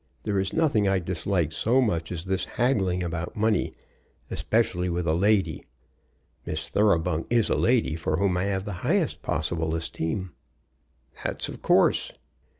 There is nothing I dislike so much as this haggling about money, especially with a lady. Miss Thoroughbung is a lady for whom I have the highest possible esteem." "That's of course."